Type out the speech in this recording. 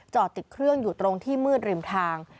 ติดเครื่องอยู่ตรงที่มืดริมทาง